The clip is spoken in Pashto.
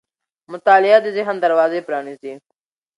مطالعه د ذهن دروازې پرانیزي.